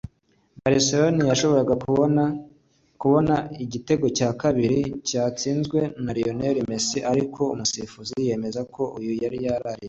Barcelona yashoboraga kubona igitego cya kabiri cyatsinzwe na Lionel Messi ariko umusifuzi yemeza ko uyu yari yaraririye